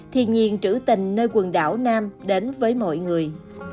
thiên nhiên trữ tình nơi quần đảo nam đến với mọi người